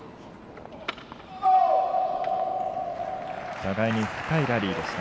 互いに深いラリーでした。